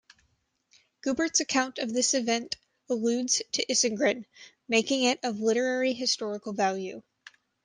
Guibert's account of this event alludes to Isengrin, making it of literary-historical value.